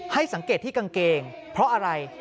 ให้สังเกตที่กางเกงเพราะอะไร